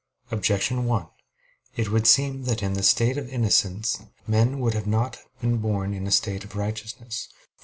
Objection 1: It would seem that in the state of innocence men would not have been born in a state of righteousness.